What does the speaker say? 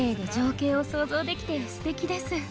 できてすてきです。